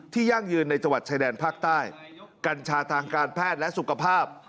ยั่งยืนในจังหวัดชายแดนภาคใต้กัญชาทางการแพทย์และสุขภาพ